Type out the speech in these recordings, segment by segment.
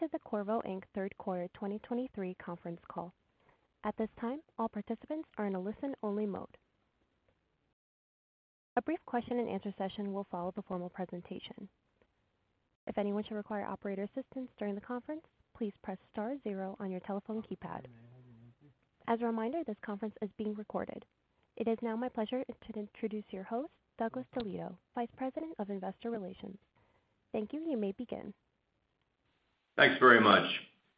To the Qorvo, Inc. Third Quarter 2023 Conference Call. At this time, all participants are in a listen-only mode. A brief question and answer session will follow the formal presentation. If anyone should require operator assistance during the conference, please press star zero on your telephone keypad. As a reminder, this conference is being recorded. It is now my pleasure to introduce your host, Douglas DeLieto, Vice President of Investor Relations. Thank you. You may begin. Thanks very much.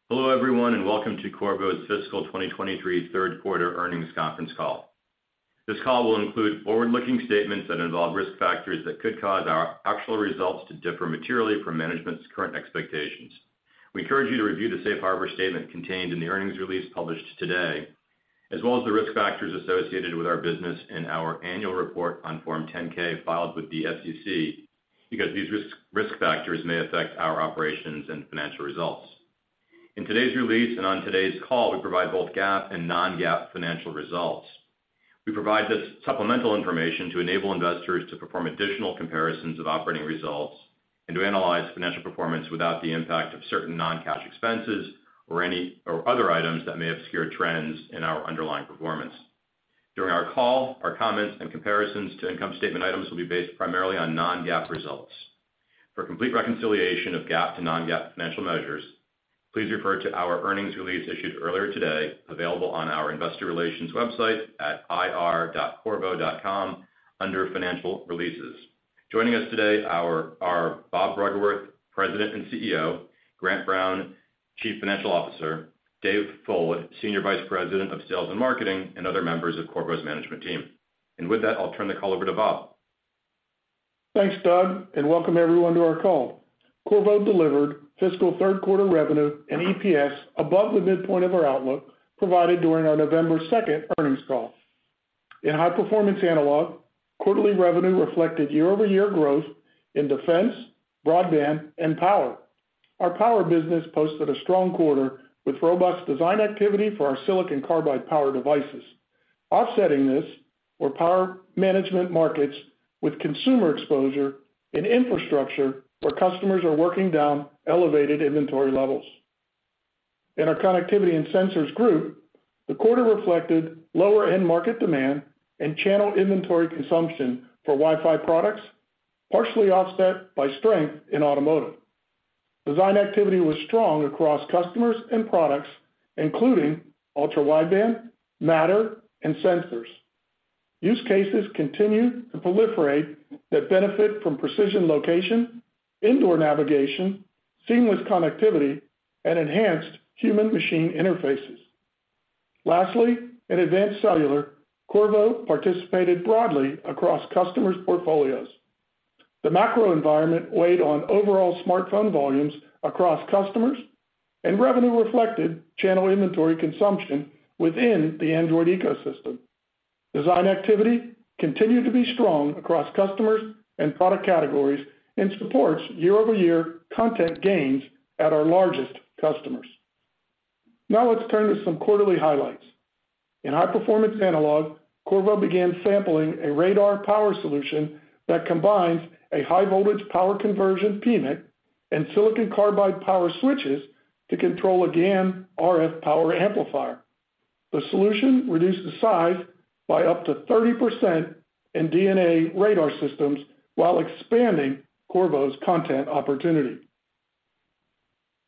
Hello, everyone. Welcome to Qorvo's Fiscal 2023 Third Quarter Earnings Conference Call. This call will include forward-looking statements that involve risk factors that could cause our actual results to differ materially from management's current expectations. We encourage you to review the safe harbor statement contained in the earnings release published today, as well as the risk factors associated with our business in our annual report on Form 10-K filed with the SEC, because these risk factors may affect our operations and financial results. In today's release and on today's call, we provide both GAAP and non-GAAP financial results. We provide this supplemental information to enable investors to perform additional comparisons of operating results and to analyze financial performance without the impact of certain non-cash expenses or other items that may obscure trends in our underlying performance. During our call, our comments and comparisons to income statement items will be based primarily on non-GAAP results. For complete reconciliation of GAAP to non-GAAP financial measures, please refer to our earnings release issued earlier today, available on our investor relations website at ir.qorvo.com under Financial Releases. Joining us today are Bob Bruggeworth, President and CEO, Grant Brown, Chief Financial Officer, Dave Fullwood, Senior Vice President of Sales and Marketing, and other members of Qorvo's management team. With that, I'll turn the call over to Bob. Thanks, Doug, and welcome everyone to our call. Qorvo delivered fiscal third quarter revenue and EPS above the midpoint of our outlook provided during our November 2nd earnings call. In high-performance analog, quarterly revenue reflected year-over-year growth in defense, broadband, and power. Our power business posted a strong quarter with robust design activity for our silicon carbide power devices. Offsetting this were power management markets with consumer exposure and infrastructure where customers are working down elevated inventory levels. In our connectivity and sensors group, the quarter reflected lower-end market demand and channel inventory consumption for Wi-Fi products, partially offset by strength in automotive. Design activity was strong across customers and products, including ultra-wideband, Matter, and sensors. Use cases continue to proliferate that benefit from precision location, indoor navigation, seamless connectivity, and enhanced human machine interfaces. Lastly, in advanced cellular, Qorvo participated broadly across customers' portfolios. The macro environment weighed on overall smartphone volumes across customers and revenue reflected channel inventory consumption within the Android ecosystem. Design activity continued to be strong across customers and product categories and supports year-over-year content gains at our largest customers. Let's turn to some quarterly highlights. In high-performance analog, Qorvo began sampling a radar power solution that combines a high voltage power conversion PMIC and silicon carbide power switches to control a GaN RF power amplifier. The solution reduced the size by up to 30% in AESA radar systems while expanding Qorvo's content opportunity.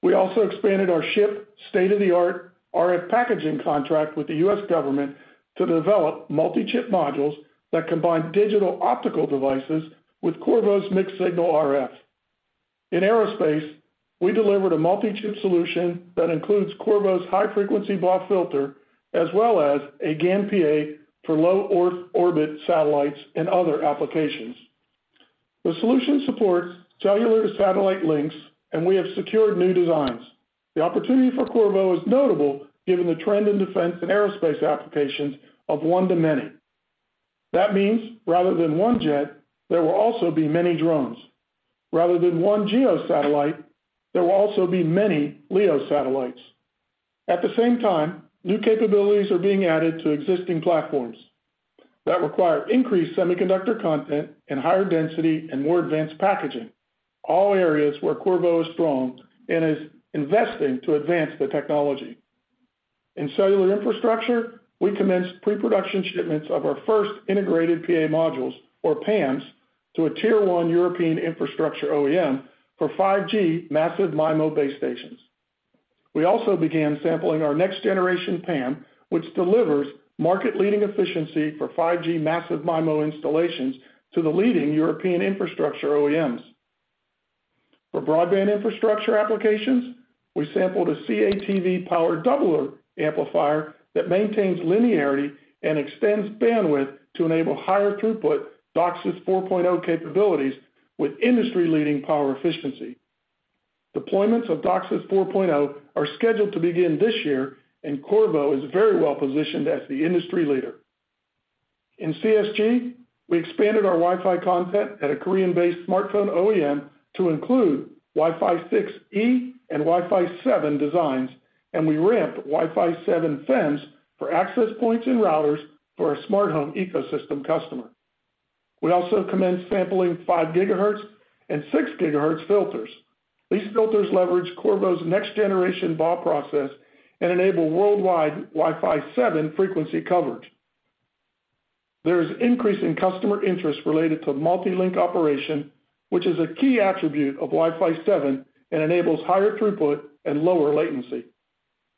We also expanded our SHIP state-of-the-art RF packaging contract with the U.S. government to develop multi-chip modules that combine digital optical devices with Qorvo's mixed signal RF. In aerospace, we delivered a multi-chip solution that includes Qorvo's high-frequency block filter as well as a GaN PA for low orbit satellites and other applications. The solution supports cellular satellite links, and we have secured new designs. The opportunity for Qorvo is notable given the trend in defense and aerospace applications of one to many. That means rather than one jet, there will also be many drones. Rather than one geo satellite, there will also be many LEO satellites. At the same time, new capabilities are being added to existing platforms that require increased semiconductor content and higher density and more advanced packaging, all areas where Qorvo is strong and is investing to advance the technology. In cellular infrastructure, we commenced pre-production shipments of our first integrated PA modules or PAMS to a Tier 1 European infrastructure OEM for 5G massive MIMO base stations. We also began sampling our next generation PAM, which delivers market-leading efficiency for 5G massive MIMO installations to the leading European infrastructure OEMs. For broadband infrastructure applications, we sampled a CATV power doubler amplifier that maintains linearity and extends bandwidth to enable higher throughput DOCSIS 4.0 capabilities with industry-leading power efficiency. Deployments of DOCSIS 4.0 are scheduled to begin this year. Qorvo is very well positioned as the industry leader. In CSG, we expanded our Wi-Fi content at a Korean-based smartphone OEM to include Wi-Fi 6E and Wi-Fi 7 designs. We ramped Wi-Fi 7 FEMs for access points and routers for our smart home ecosystem customer. We also commenced sampling 5GHz and 6GHz filters. These filters leverage Qorvo's next generation BAW process and enable worldwide Wi-Fi 7 frequency coverage. There is increase in customer interest related to Multi-Link Operation, which is a key attribute of Wi-Fi 7 and enables higher throughput and lower latency.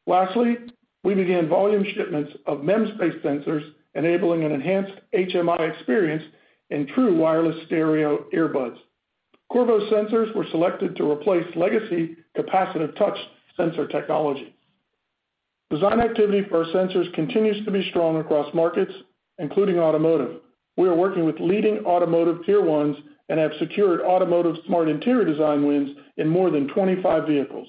Lastly, we began volume shipments of MEMS-based sensors enabling an enhanced HMI experience in True Wireless Stereo earbuds. Qorvo sensors were selected to replace legacy capacitive touch sensor technology. Design activity for our sensors continues to be strong across markets, including automotive. We are working with leading automotive tier ones and have secured automotive smart interior design wins in more than 25 vehicles.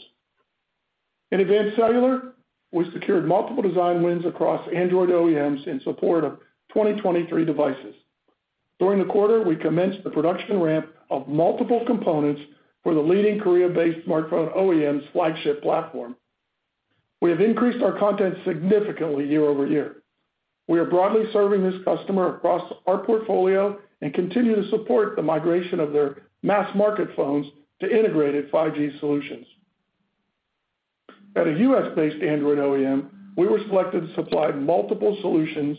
In advanced cellular, we secured multiple design wins across Android OEMs in support of 2023 devices. During the quarter, we commenced the production ramp of multiple components for the leading Korea-based smartphone OEM's flagship platform. We have increased our content significantly year-over-year. We are broadly serving this customer across our portfolio and continue to support the migration of their mass market phones to integrated 5G solutions. At a U.S.-based Android OEM, we were selected to supply multiple solutions,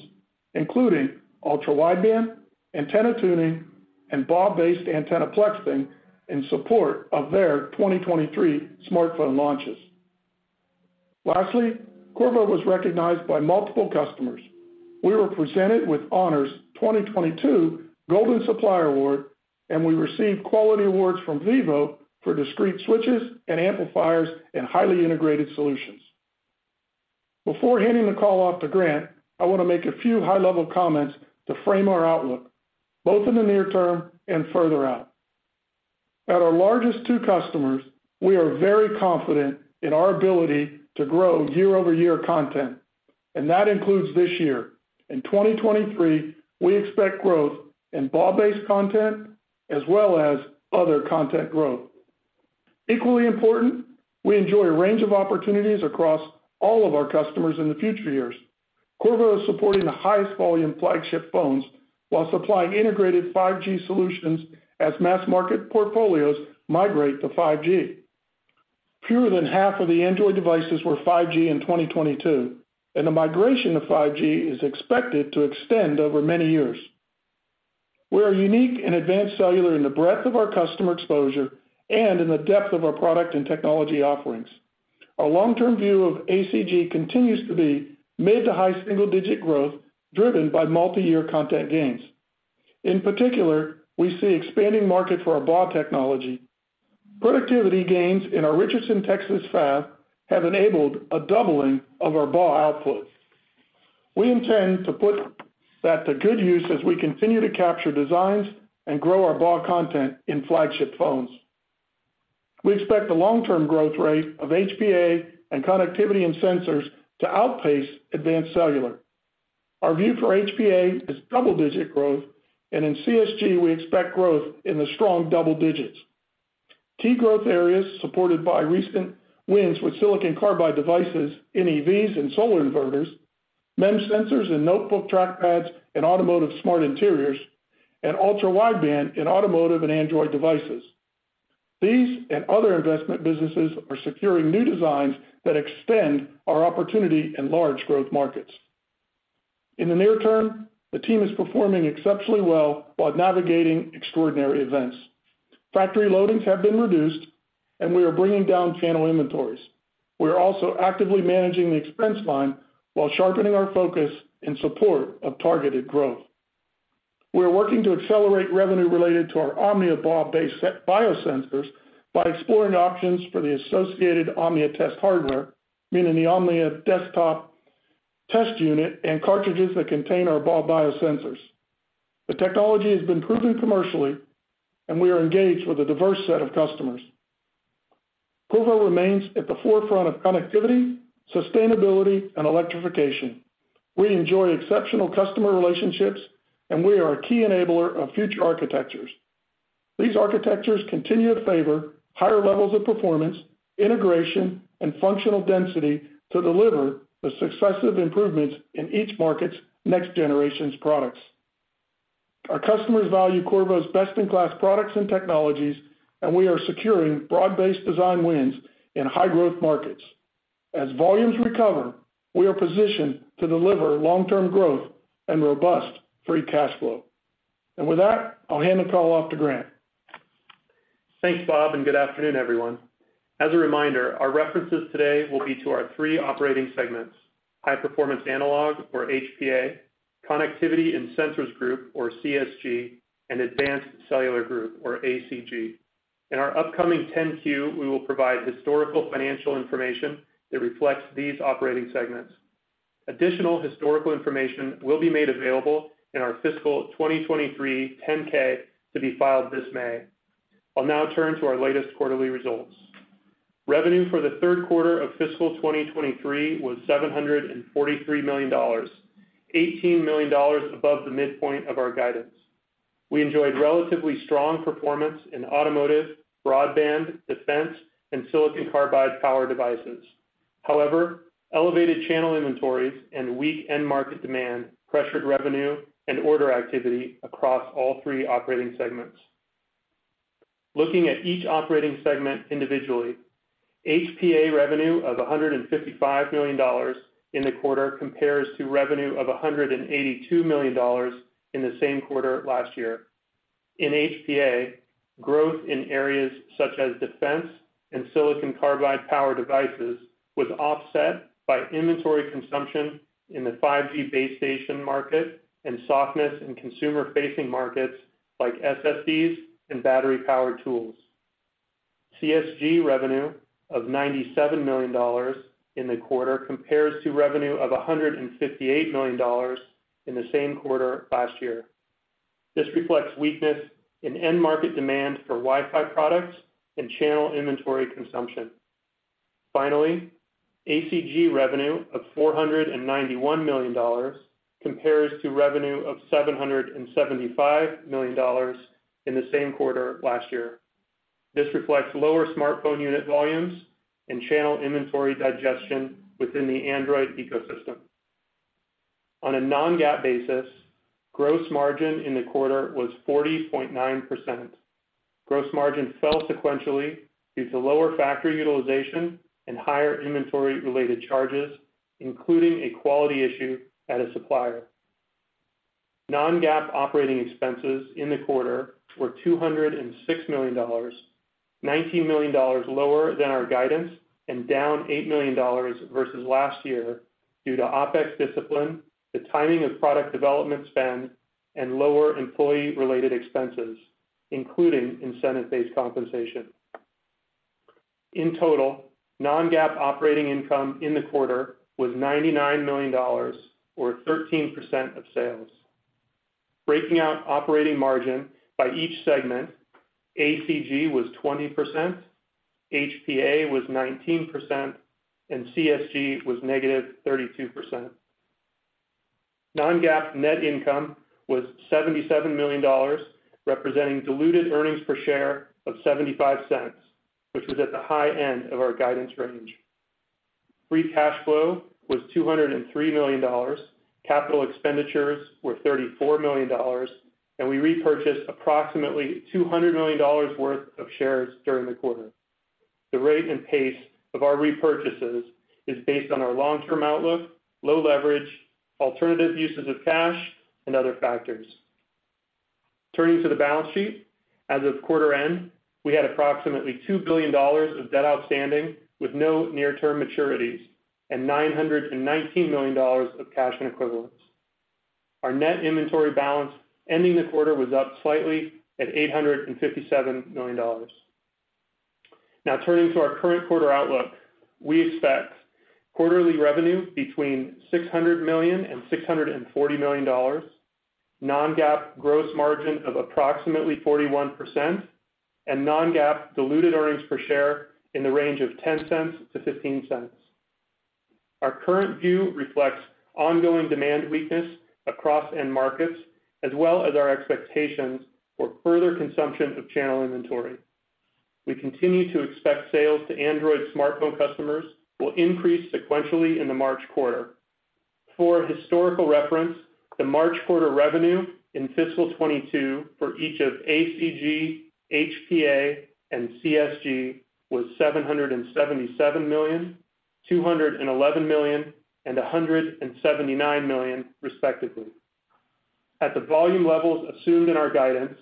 including ultra-wideband, antenna tuning, and BAW-based antenna-plexing in support of their 2023 smartphone launches. Lastly, Qorvo was recognized by multiple customers. We were presented with Honor's 2022 Golden Supplier Award, and we received quality awards from Vivo for discrete switches and amplifiers and highly integrated solutions. Before handing the call off to Grant, I wanna make a few high-level comments to frame our outlook, both in the near term and further out. At our largest two customers, we are very confident in our ability to grow year-over-year content, and that includes this year. In 2023, we expect growth in BAW-based content as well as other content growth. Equally important, we enjoy a range of opportunities across all of our customers in the future years. Qorvo is supporting the highest volume flagship phones while supplying integrated 5G solutions as mass market portfolios migrate to 5G. Fewer than half of the Android devices were 5G in 2022, and the migration to 5G is expected to extend over many years. We are unique in advanced cellular in the breadth of our customer exposure and in the depth of our product and technology offerings. Our long-term view of ACG continues to be mid to high single-digit growth driven by multiyear content gains. In particular, we see expanding market for our BAW technology. Productivity gains in our Richardson, Texas fab have enabled a doubling of our BAW output. We intend to put that to good use as we continue to capture designs and grow our BAW content in flagship phones. We expect the long-term growth rate of HPA and connectivity and sensors to outpace advanced cellular. Our view for HPA is double-digit growth, and in CSG, we expect growth in the strong double digits. Key growth areas supported by recent wins with silicon carbide devices, NEVs and solar inverters, MEMS sensors and notebook track pads and automotive smart interiors, and ultra-wideband in automotive and Android devices. These and other investment businesses are securing new designs that extend our opportunity in large growth markets. In the near term, the team is performing exceptionally well while navigating extraordinary events. Factory loadings have been reduced, and we are bringing down channel inventories. We are also actively managing the expense line while sharpening our focus in support of targeted growth. We are working to accelerate revenue related to our Omnia BAW-based biosensors by exploring options for the associated Omnia test hardware, meaning the Omnia desktop test unit and cartridges that contain our BAW biosensors. The technology has been proven commercially, and we are engaged with a diverse set of customers. Qorvo remains at the forefront of connectivity, sustainability, and electrification. We enjoy exceptional customer relationships, and we are a key enabler of future architectures. These architectures continue to favor higher levels of performance, integration, and functional density to deliver the successive improvements in each market's next generation's products. Our customers value Qorvo's best-in-class products and technologies, and we are securing broad-based design wins in high-growth markets. As volumes recover, we are positioned to deliver long-term growth and robust free cash flow. With that, I'll hand the call off to Grant. Thanks, Bob, and good afternoon, everyone. As a reminder, our references today will be to our three operating segments, high performance analog or HPA, connectivity and sensors group or CSG, and advanced cellular group or ACG. In our upcoming 10-Q, we will provide historical financial information that reflects these operating segments. Additional historical information will be made available in our fiscal 2023 10-K to be filed this May. I'll now turn to our latest quarterly results. Revenue for the third quarter of fiscal 2023 was $743 million, $18 million above the midpoint of our guidance. We enjoyed relatively strong performance in automotive, broadband, defense, and silicon carbide power devices. However, elevated channel inventories and weak end market demand pressured revenue and order activity across all three operating segments. Looking at each operating segment individually, HPA revenue of $155 million in the quarter compares to revenue of $182 million in the same quarter last year. In HPA, growth in areas such as defense and silicon carbide power devices was offset by inventory consumption in the 5G base station market and softness in consumer-facing markets like SSDs and battery-powered tools. CSG revenue of $97 million in the quarter compares to revenue of $158 million in the same quarter last year. This reflects weakness in end market demand for Wi-Fi products and channel inventory consumption. ACG revenue of $491 million compares to revenue of $775 million in the same quarter last year. This reflects lower smartphone unit volumes and channel inventory digestion within the Android ecosystem. On a non-GAAP basis, gross margin in the quarter was 40.9%. Gross margin fell sequentially due to lower factory utilization and higher inventory related charges, including a quality issue at a supplier. Non-GAAP operating expenses in the quarter were $206 million, $19 million lower than our guidance and down $8 million versus last year due to OpEx discipline, the timing of product development spend, and lower employee related expenses, including incentive-based compensation. In total, non-GAAP operating income in the quarter was $99 million or 13% of sales. Breaking out operating margin by each segment, ACG was 20%, HPA was 19%, and CSG was negative 32%. Non-GAAP net income was $77 million, representing diluted earnings per share of $0.75, which was at the high end of our guidance range. Free cash flow was $203 million. Capital expenditures were $34 million. We repurchased approximately $200 million worth of shares during the quarter. The rate and pace of our repurchases is based on our long-term outlook, low leverage, alternative uses of cash, and other factors. Turning to the balance sheet, as of quarter end, we had approximately $2 billion of debt outstanding with no near-term maturities and $919 million of cash and equivalents. Our net inventory balance ending the quarter was up slightly at $857 million. Turning to our current quarter outlook, we expect quarterly revenue between $600 million and $640 million, non-GAAP gross margin of approximately 41% and non-GAAP diluted earnings per share in the range of $0.10 to $0.15. Our current view reflects ongoing demand weakness across end markets, as well as our expectations for further consumption of channel inventory. We continue to expect sales to Android smartphone customers will increase sequentially in the March quarter. For historical reference, the March quarter revenue in fiscal 2022 for each of ACG, HPA, and CSG was $777 million, $211 million, and $179 million, respectively. At the volume levels assumed in our guidance,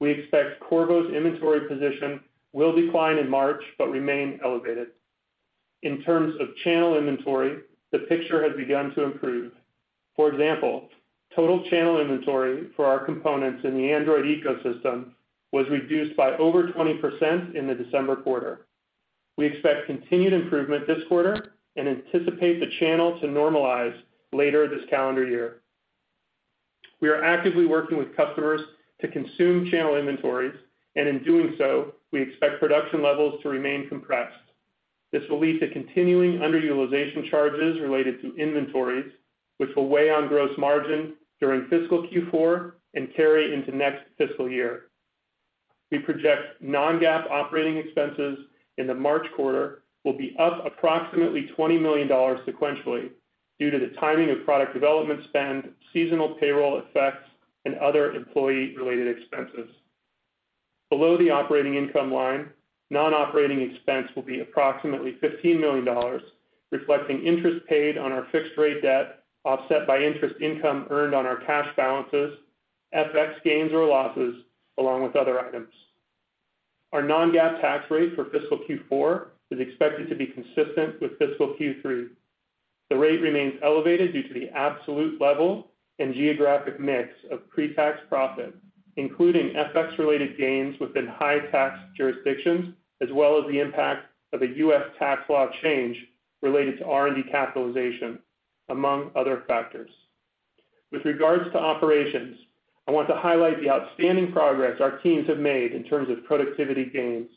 we expect Qorvo's inventory position will decline in March but remain elevated. In terms of channel inventory, the picture has begun to improve. For example, total channel inventory for our components in the Android ecosystem was reduced by over 20% in the December quarter. We expect continued improvement this quarter and anticipate the channel to normalize later this calendar year. We are actively working with customers to consume channel inventories, and in doing so, we expect production levels to remain compressed. This will lead to continuing underutilization charges related to inventories, which will weigh on gross margin during fiscal Q4 and carry into next fiscal year. We project non-GAAP operating expenses in the March quarter will be up approximately $20 million sequentially due to the timing of product development spend, seasonal payroll effects, and other employee related expenses. Below the operating income line, non-operating expense will be approximately $15 million, reflecting interest paid on our fixed rate debt, offset by interest income earned on our cash balances, FX gains or losses, along with other items. Our non-GAAP tax rate for fiscal Q4 is expected to be consistent with fiscal Q3. The rate remains elevated due to the absolute level and geographic mix of pre-tax profits, including FX related gains within high tax jurisdictions, as well as the impact of a U.S. tax law change related to R&D capitalization, among other factors. With regards to operations, I want to highlight the outstanding progress our teams have made in terms of productivity gains.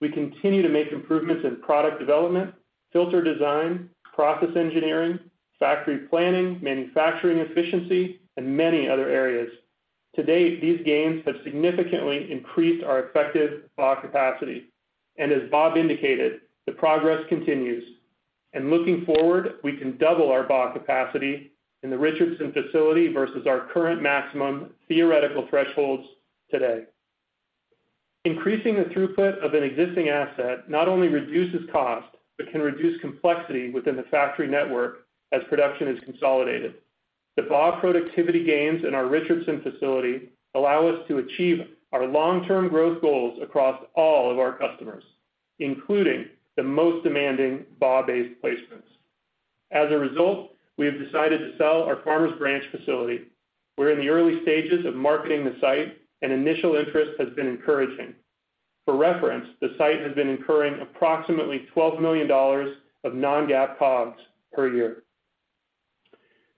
We continue to make improvements in product development, filter design, process engineering, factory planning, manufacturing efficiency, and many other areas. To date, these gains have significantly increased our effective BAW capacity. As Bob indicated, the progress continues. Looking forward, we can double our BAW capacity in the Richardson facility versus our current maximum theoretical thresholds today. Increasing the throughput of an existing asset not only reduces cost, but can reduce complexity within the factory network as production is consolidated. The BAW productivity gains in our Richardson facility allow us to achieve our long-term growth goals across all of our customers, including the most demanding BAW-based placements. As a result, we have decided to sell our Farmers Branch facility. We're in the early stages of marketing the site, initial interest has been encouraging. For reference, the site has been incurring approximately $12 million of non-GAAP COGS per year.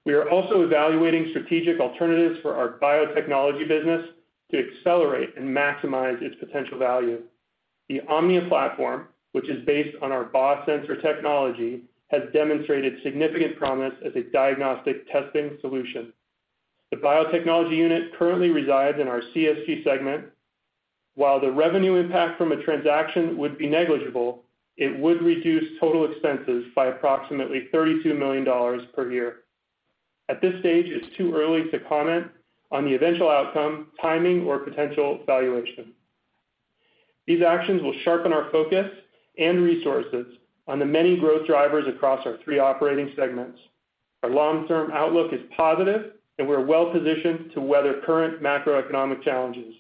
We are also evaluating strategic alternatives for our biotechnology business to accelerate and maximize its potential value. The Omnia platform, which is based on our BAW sensor technology, has demonstrated significant promise as a diagnostic testing solution. The biotechnology unit currently resides in our CSG segment. While the revenue impact from a transaction would be negligible, it would reduce total expenses by approximately $32 million per year. At this stage, it's too early to comment on the eventual outcome, timing, or potential valuation. These actions will sharpen our focus and resources on the many growth drivers across our three operating segments. Our long-term outlook is positive, and we're well-positioned to weather current macroeconomic challenges.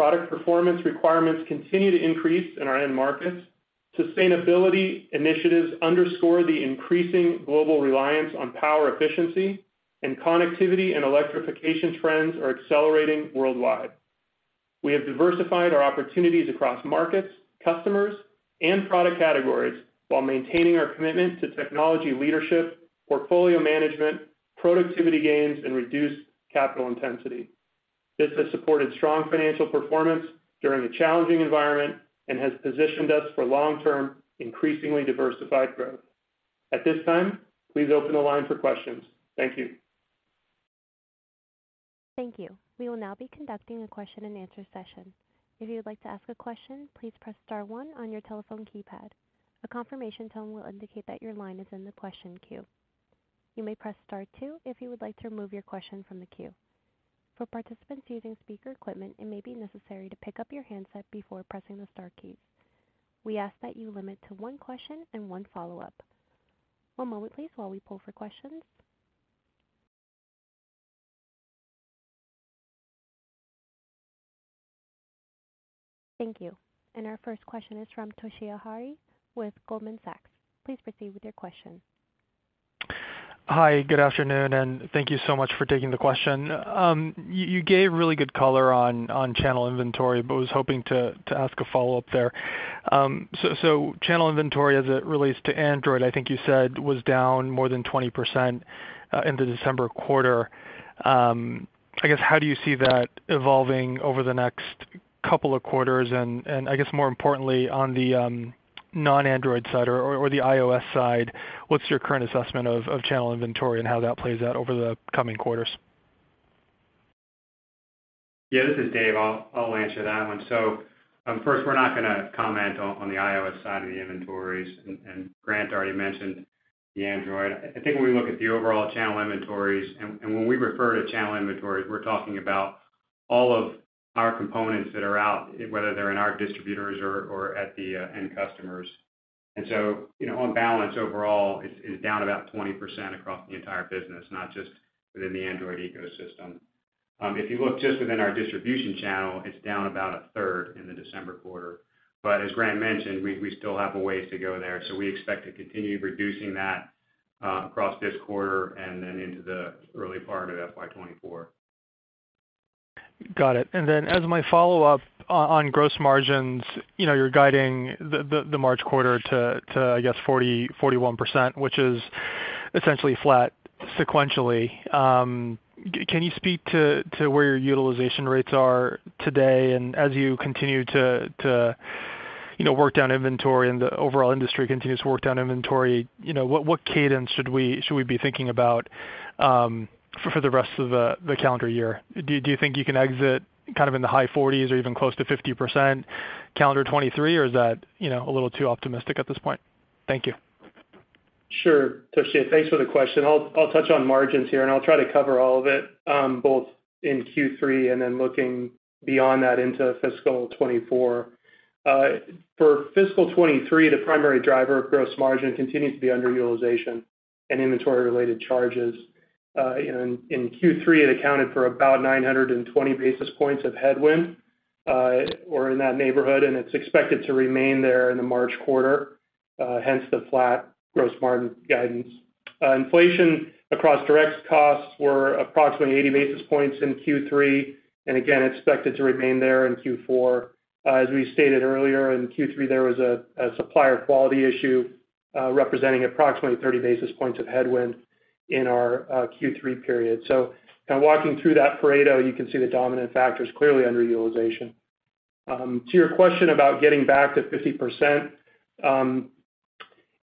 Product performance requirements continue to increase in our end markets. Sustainability initiatives underscore the increasing global reliance on power efficiency, and connectivity and electrification trends are accelerating worldwide. We have diversified our opportunities across markets, customers, and product categories while maintaining our commitment to technology leadership, portfolio management, productivity gains, and reduced capital intensity. This has supported strong financial performance during a challenging environment and has positioned us for long-term, increasingly diversified growth. At this time, please open the line for questions. Thank you. Thank you. We will now be conducting a question-and-answer session. If you would like to ask a question, please press star one on your telephone keypad. A confirmation tone will indicate that your line is in the question queue. You may press star two if you would like to remove your question from the queue. For participants using speaker equipment, it may be necessary to pick up your handset before pressing the star keys. We ask that you limit to one question and one follow-up. One moment please while we pull for questions. Thank you. Our first question is from Toshiya Hari with Goldman Sachs. Please proceed with your question. Hi, good afternoon. Thank you so much for taking the question. You gave really good color on channel inventory, but was hoping to ask a follow-up there. So channel inventory as it relates to Android, I think you said was down more than 20% in the December quarter. I guess, how do you see that evolving over the next couple of quarters? I guess more importantly, on the non-Android side or the iOS side, what's your current assessment of channel inventory and how that plays out over the coming quarters? Yeah, this is Dave. I'll answer that one. First, we're not gonna comment on the iOS side of the inventories, and Grant already mentioned the Android. I think when we look at the overall channel inventories, and when we refer to channel inventories, we're talking about all of our components that are out, whether they're in our distributors or at the end customers. You know, on balance overall, it's down about 20% across the entire business, not just within the Android ecosystem. If you look just within our distribution channel, it's down about a third in the December quarter. As Grant mentioned, we still have a ways to go there. We expect to continue reducing that across this quarter and then into the early part of FY 2024. Got it. Then as my follow-up on gross margins, you know, you're guiding the March quarter to, I guess 40%-41%, which is essentially flat sequentially. Can you speak to where your utilization rates are today? As you continue to, you know, work down inventory and the overall industry continues to work down inventory, you know, what cadence should we be thinking about for the rest of the calendar year? Do you think you can exit kind of in the high forties or even close to 50% calendar 2023, or is that, you know, a little too optimistic at this point? Thank you. Sure. Toshiya, thanks for the question. I'll touch on margins here, and I'll try to cover all of it, both in Q3 and then looking beyond that into fiscal 2024. For fiscal 2023, the primary driver of gross margin continues to be underutilization and inventory-related charges. In Q3, it accounted for about 920 basis points of headwind, or in that neighborhood, and it's expected to remain there in the March quarter, hence the flat gross margin guidance. Inflation across direct costs were approximately 80 basis points in Q3, and again, expected to remain there in Q4. As we stated earlier, in Q3, there was a supplier quality issue, representing approximately 30 basis points of headwind in our Q3 period. Kind of walking through that Pareto, you can see the dominant factor is clearly underutilization. To your question about getting back to 50%,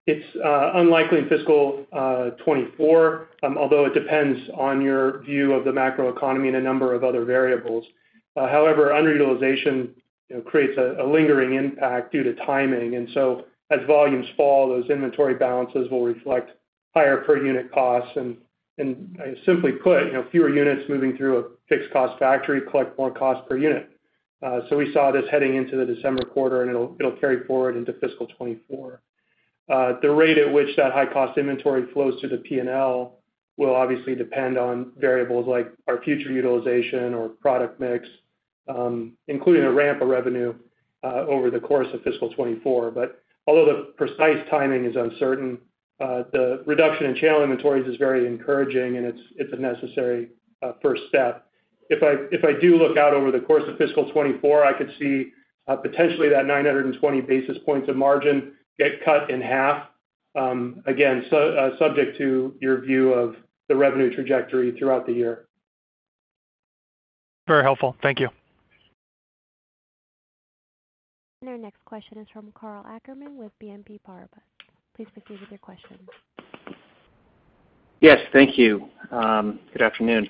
It's unlikely in fiscal 2024, although it depends on your view of the macroeconomy and a number of other variables. However, underutilization, you know, creates a lingering impact due to timing. As volumes fall, those inventory balances will reflect higher per unit costs. And simply put, you know, fewer units moving through a fixed cost factory collect more cost per unit. We saw this heading into the December quarter, and it'll carry forward into fiscal 2024. The rate at which that high cost inventory flows through the P&L will obviously depend on variables like our future utilization or product mix, including a ramp of revenue over the course of fiscal 2024. Although the precise timing is uncertain, the reduction in channel inventories is very encouraging, and it's a necessary first step. If I do look out over the course of fiscal 2024, I could see potentially that 920 basis points of margin get cut in half, again, subject to your view of the revenue trajectory throughout the year. Very helpful. Thank you. Our next question is from Karl Ackerman with BNP Paribas. Please proceed with your question. Yes, thank you. Good afternoon.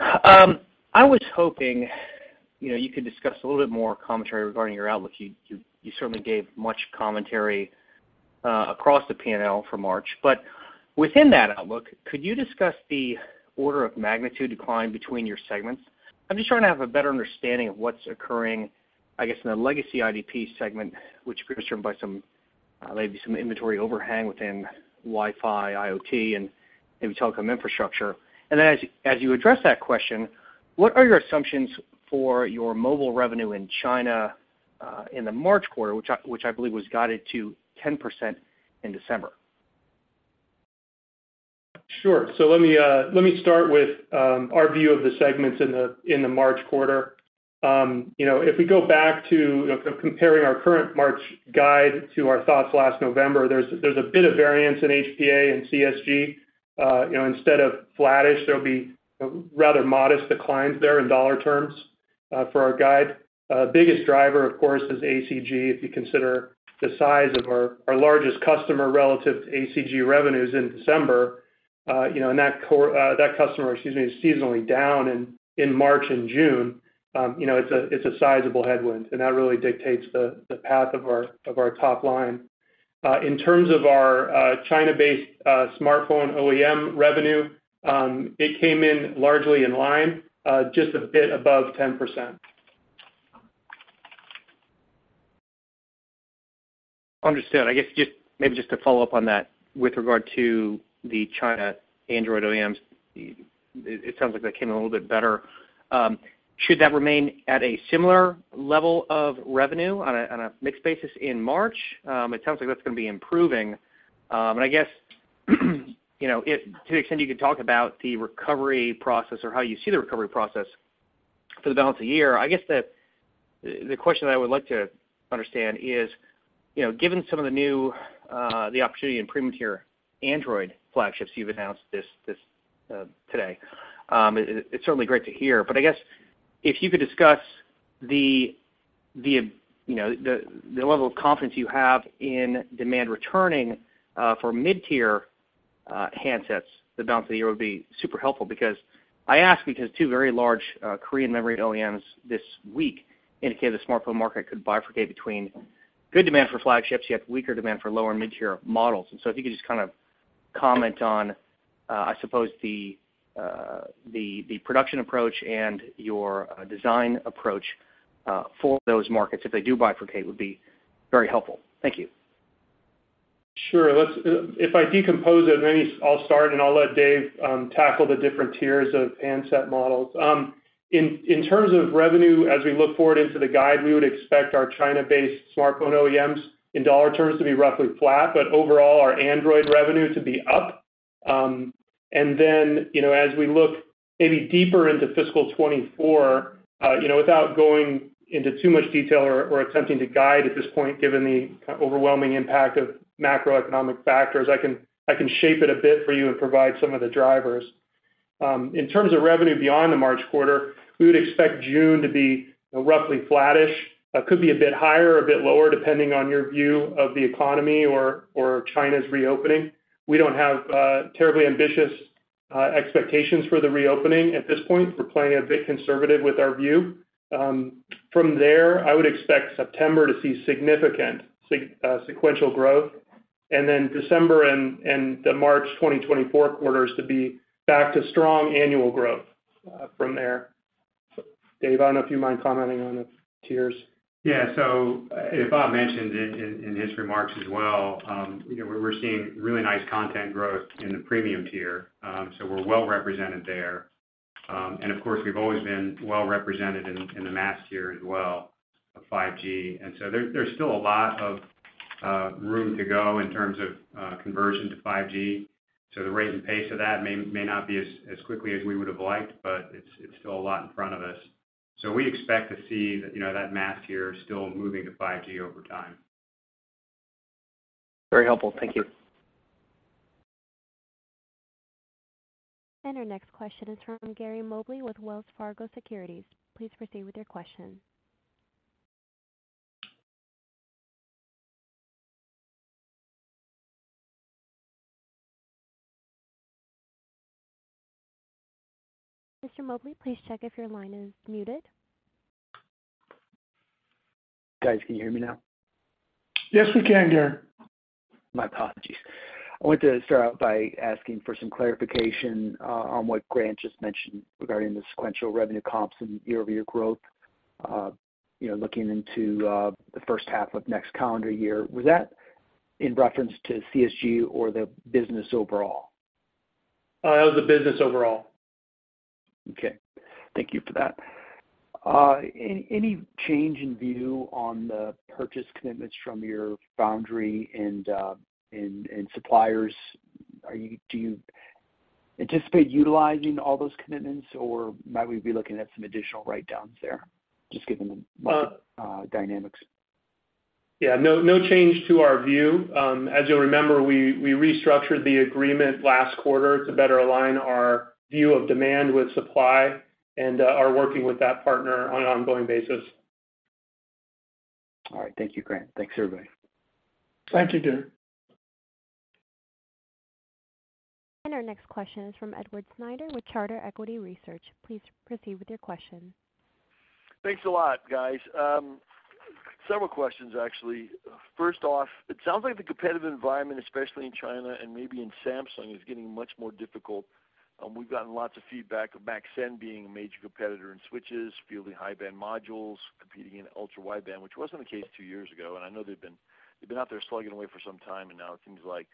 I was hoping, you know, you could discuss a little bit more commentary regarding your outlook. You certainly gave much commentary across the P&L for March. Within that outlook, could you discuss the order of magnitude decline between your segments? I'm just trying to have a better understanding of what's occurring, I guess, in the legacy IDP segment, which appears driven by some maybe some inventory overhang within Wi-Fi, IoT, and maybe telecom infrastructure. Then as you address that question, what are your assumptions for your mobile revenue in China in the March quarter, which I believe was guided to 10% in December? Sure. Let me start with our view of the segments in the March quarter. You know, if we go back to, you know, comparing our current March guide to our thoughts last November, there's a bit of variance in HPA and CSG. You know, instead of flattish, there'll be rather modest declines there in dollar terms for our guide. Biggest driver, of course, is ACG. If you consider the size of our largest customer relative to ACG revenues in December, you know, and that customer, excuse me, is seasonally down in March and June, you know, it's a sizable headwind, and that really dictates the path of our top line. In terms of our China-based smartphone OEM revenue, it came in largely in line, just a bit above 10%. Understood. I guess just maybe just to follow up on that with regard to the China Android OEMs, it sounds like that came in a little bit better. Should that remain at a similar level of revenue on a mixed basis in March? It sounds like that's gonna be improving. I guess, you know, if to the extent you could talk about the recovery process or how you see the recovery process for the balance of the year, I guess the question that I would like to understand is, you know, given some of the new the opportunity in premium tier Android flagships you've announced this today, it's certainly great to hear. I guess if you could discuss the, you know, the level of confidence you have in demand returning for mid-tier handsets for the balance of the year would be super helpful because I ask because two very large Korean memory OEMs this week indicated the smartphone market could bifurcate between good demand for flagships, yet weaker demand for lower and mid-tier models. If you could just kind of comment on, I suppose the production approach and your design approach for those markets if they do bifurcate would be very helpful. Thank you. Sure. If I decompose it, maybe I'll start, and I'll let Dave tackle the different tiers of handset models. In terms of revenue, as we look forward into the guide, we would expect our China-based smartphone OEMs in dollar terms to be roughly flat, but overall, our Android revenue to be up. You know, as we look maybe deeper into fiscal 2024, without going into too much detail or attempting to guide at this point, given the overwhelming impact of macroeconomic factors, I can shape it a bit for you and provide some of the drivers. In terms of revenue beyond the March quarter, we would expect June to be roughly flattish. Could be a bit higher or a bit lower, depending on your view of the economy or China's reopening. We don't have, terribly ambitious expectations for the reopening at this point. We're playing it a bit conservative with our view. From there, I would expect September to see significant sequential growth, and then December and the March 2024 quarters to be back to strong annual growth, from there. Dave, I don't know if you mind commenting on the tiers. Yeah. As Bob mentioned in his remarks as well, you know, we're seeing really nice content growth in the premium tier. We're well represented there. Of course, we've always been well represented in the mass tier as well of 5G. There's still a lot of room to go in terms of conversion to 5G. The rate and pace of that may not be as quickly as we would have liked, but it's still a lot in front of us. We expect to see, you know, that mass tier still moving to 5G over time. Very helpful. Thank you. Our next question is from Gary Mobley with Wells Fargo Securities. Please proceed with your question. Mr. Mobley, please check if your line is muted. Guys, can you hear me now? Yes, we can, Gary. My apologies. I want to start out by asking for some clarification, on what Grant just mentioned regarding the sequential revenue comps and year-over-year growth, you know, looking into, the first half of next calendar year. Was that in reference to CSG or the business overall? it was the business overall. Okay. Thank you for that. Any change in view on the purchase commitments from your foundry and suppliers? Do you anticipate utilizing all those commitments or might we be looking at some additional write-downs there just given the dynamics? Yeah, no change to our view. As you'll remember, we restructured the agreement last quarter to better align our view of demand with supply and are working with that partner on an ongoing basis. All right. Thank you, Grant. Thanks, everybody. Thank you, Gary. Our next question is from Edward Snyder with Charter Equity Research. Please proceed with your question. Thanks a lot, guys. Several questions actually. First off, it sounds like the competitive environment, especially in China and maybe in Samsung, is getting much more difficult. We've gotten lots of feedback of Maxscend being a major competitor in switches, fielding high-band modules, competing in ultra-wideband, which wasn't the case two years ago. I know they've been out there slugging away for some time, and now it seems like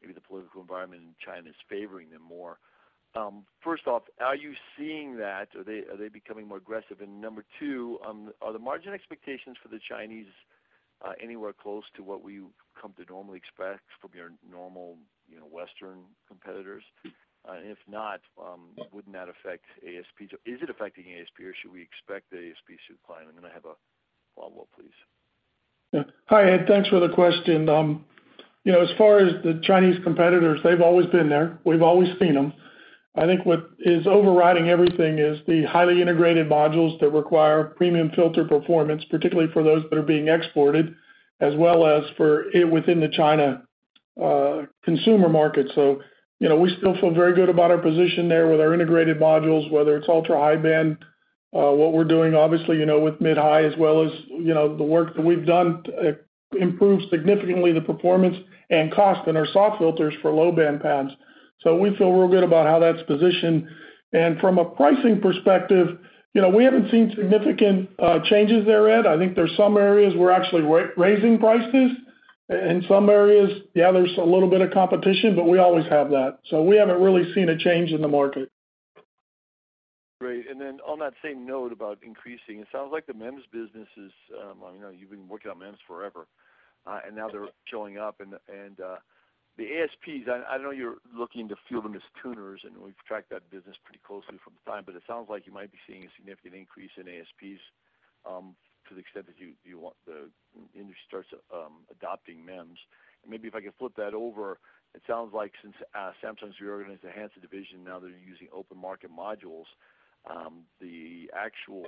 maybe the political environment in China is favoring them more. First off, are you seeing that? Are they becoming more aggressive? Number two, are the margin expectations for the Chinese anywhere close to what we've come to normally expect from your normal, you know, Western competitors? If not, wouldn't that affect ASP? Is it affecting ASP or should we expect the ASP to decline? I'm gonna have a follow-up, please. Yeah. Hi, Ed. Thanks for the question. You know, as far as the Chinese competitors, they've always been there. We've always seen them. I think what is overriding everything is the highly integrated modules that require premium filter performance, particularly for those that are being exported, as well as for within the China consumer market. So, you know, we still feel very good about our position there with our integrated modules, whether it's ultra-high band, what we're doing, obviously, you know, with mid-high as well as, you know, the work that we've done, improves significantly the performance and cost in our SAW filters for low-band paths. So we feel real good about how that's positioned. And from a pricing perspective, you know, we haven't seen significant changes there, Ed. I think there's some areas we're actually raising prices. in some areas, yeah, there's a little bit of competition, but we always have that. We haven't really seen a change in the market. Great. Then on that same note about increasing, it sounds like the MEMS business is, I know you've been working on MEMS forever, and now they're showing up. The ASPs, I know you're looking to field them as tuners, and we've tracked that business pretty closely from the time, but it sounds like you might be seeing a significant increase in ASPs, to the extent that you want the industry starts adopting MEMS. Maybe if I can flip that over, it sounds like since Samsung's reorganized the handset division, now they're using open market modules, the actual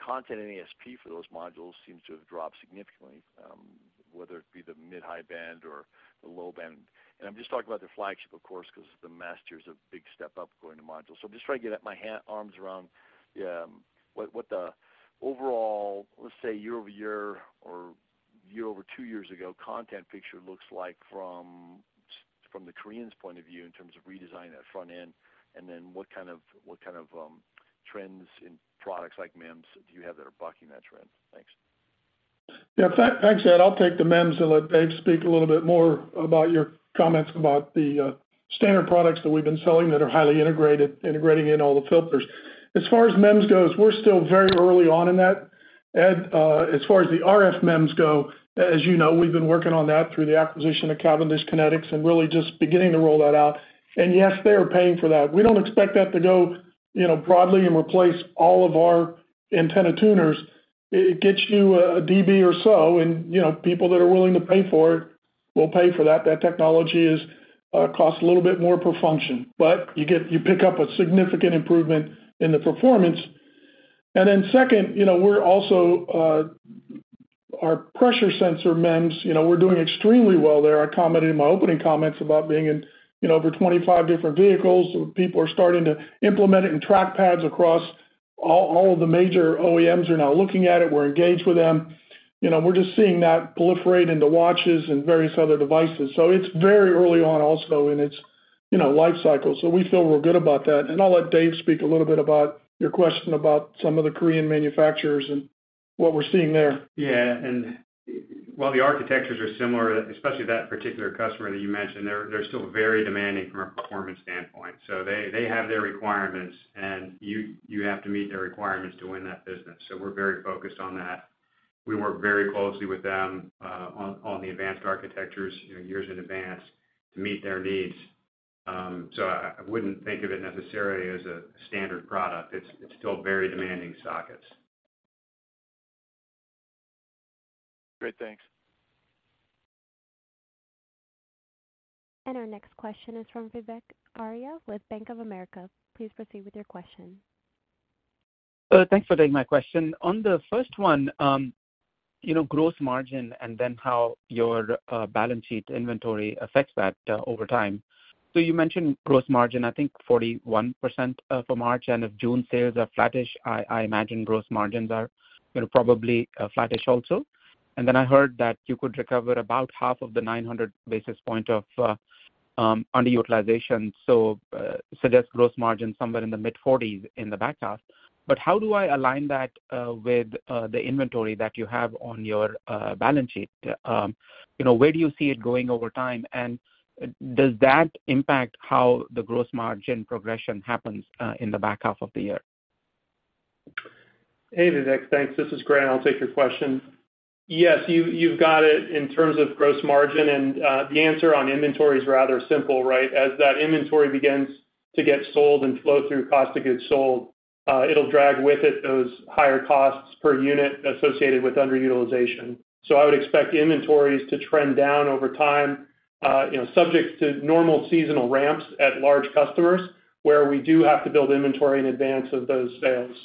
content in ASP for those modules seems to have dropped significantly, whether it be the mid/high band or the low band. I'm just talking about their flagship, of course, 'cause the Master is a big step up going to modules. I'm just trying to get my arms around the, what the overall, let's say year-over-year or year over two years ago content picture looks like from the Koreans' point of view in terms of redesigning that front end, and then what kind of trends in products like MEMS do you have that are bucking that trend? Thanks. Yeah. Thanks, Ed. I'll take the MEMS and let Dave speak a little bit more about your comments about the standard products that we've been selling that are highly integrated, integrating in all the filters. As far as MEMS goes, we're still very early on in that. Ed, as far as the RF MEMS go, as you know, we've been working on that through the acquisition of Cavendish Kinetics and really just beginning to roll that out. Yes, they are paying for that. We don't expect that to go, you know, broadly and replace all of our antenna tuners. It gets you a DB or so and, you know, people that are willing to pay for it will pay for that. That technology is costs a little bit more per function, but you pick up a significant improvement in the performance. Second, you know, we're also, our pressure sensor MEMS, you know, we're doing extremely well there. I commented in my opening comments about being in, you know, over 25 different vehicles. People are starting to implement it in track pads across all of the major OEMs are now looking at it. We're engaged with them. You know, we're just seeing that proliferate into watches and various other devices. It's very early on also in its, you know, life cycle. We feel real good about that. I'll let Dave speak a little bit about your question about some of the Korean manufacturers and what we're seeing there. While the architectures are similar, especially that particular customer that you mentioned, they're still very demanding from a performance standpoint. They have their requirements and you have to meet their requirements to win that business. We're very focused on that. We work very closely with them on the advanced architectures, you know, years in advance to meet their needs. I wouldn't think of it necessarily as a standard product. It's still very demanding sockets. Great. Thanks. Our next question is from Vivek Arya with Bank of America. Please proceed with your question. Thanks for taking my question. On the first one, you know, gross margin and then how your balance sheet inventory affects that over time. You mentioned gross margin, I think 41%, for March, and if June sales are flattish, I imagine gross margins are gonna probably flattish also. I heard that you could recover about half of the 900 basis points of underutilization, suggest gross margin somewhere in the mid-40s in the back half. How do I align that with the inventory that you have on your balance sheet? You know, where do you see it going over time, and does that impact how the gross margin progression happens in the back half of the year? Hey, Vivek. Thanks. This is Grant. I'll take your question. Yes, you've got it in terms of gross margin, and the answer on inventory is rather simple, right? As that inventory begins to get sold and flow through cost of goods sold, it'll drag with it those higher costs per unit associated with underutilization. I would expect inventories to trend down over time, you know, subject to normal seasonal ramps at large customers where we do have to build inventory in advance of those sales.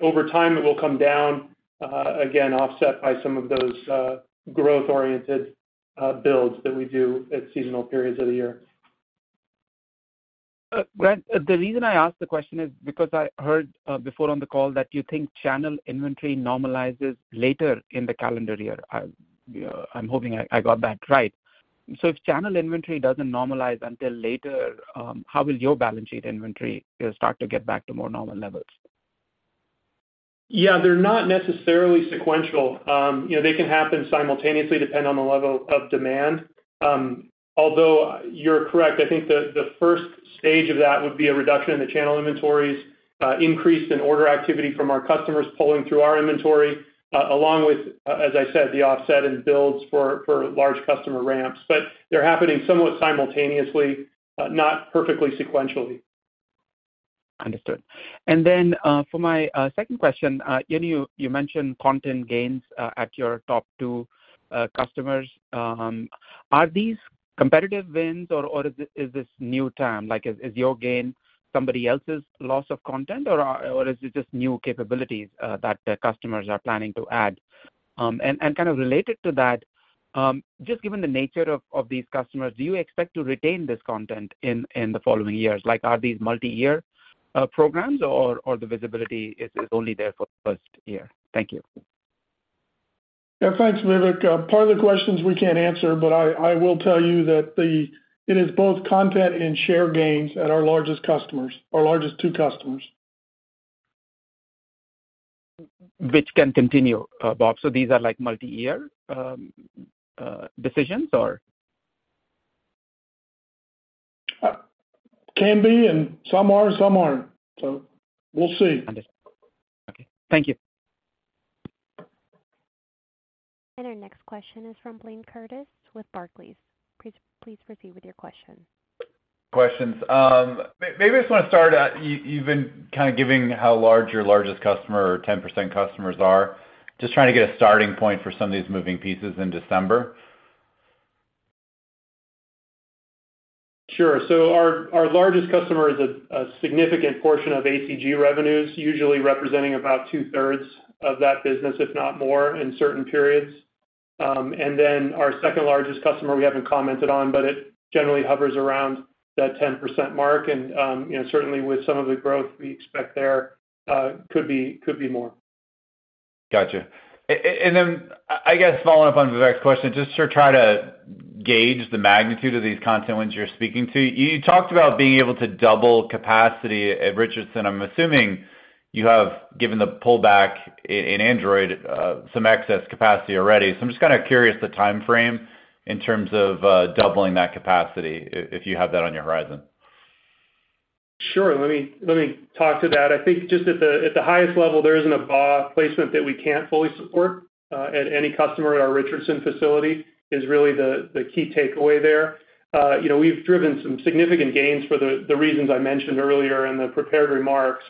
Over time, it will come down, again, offset by some of those, growth-oriented, builds that we do at seasonal periods of the year. Grant, the reason I ask the question is because I heard before on the call that you think channel inventory normalizes later in the calendar year. I'm hoping I got that right. If channel inventory doesn't normalize until later, how will your balance sheet inventory start to get back to more normal levels? They're not necessarily sequential. You know, they can happen simultaneously, depending on the level of demand. Although you're correct, I think the first stage of that would be a reduction in the channel inventories, increase in order activity from our customers pulling through our inventory, along with, as I said, the offset in builds for large customer ramps. They're happening somewhat simultaneously, not perfectly sequentially. Understood. For my second question, you mentioned content gains at your top two customers. Are these competitive wins or is this new TAM? Is your gain somebody else's loss of content or is it just new capabilities that the customers are planning to add? Kind of related to that, just given the nature of these customers, do you expect to retain this content in the following years? Are these multi-year programs or the visibility is only there for the first year? Thank you. Yeah, thanks, Vivek. Part of the questions we can't answer, but I will tell you that it is both content and share gains at our largest customers, our largest two customers. Which can continue, Bob. These are like multi-year decisions or? Can be, and some are, some aren't. We'll see. Understood. Okay. Thank you. Our next question is from Blayne Curtis with Barclays. Please proceed with your question. Questions. Maybe I just wanna start, you've been kind of giving how large your largest customer or 10% customers are. Just trying to get a starting point for some of these moving pieces in December. Sure. Our largest customer is a significant portion of ACG revenues, usually representing about 2/3 of that business, if not more in certain periods. Our second-largest customer, we haven't commented on, but it generally hovers around that 10% mark. You know, certainly with some of the growth we expect there, could be more. Gotcha. And then I guess following up on Vivek's question, just to try to gauge the magnitude of these content wins you're speaking to. You talked about being able to double capacity at Richardson. I'm assuming you have, given the pullback in Android, some excess capacity already. I'm just kind of curious the timeframe in terms of doubling that capacity, if you have that on your horizon. Sure. Let me talk to that. I think just at the highest level, there isn't a BAW placement that we can't fully support at any customer at our Richardson facility, is really the key takeaway there. You know, we've driven some significant gains for the reasons I mentioned earlier in the prepared remarks.